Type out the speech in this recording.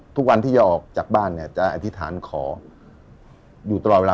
ทุกวันที่จะออกจากบ้านเนี่ยจะอธิษฐานขออยู่ตลอดเวลา